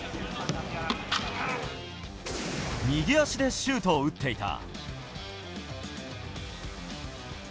右足でシュートを打っていた。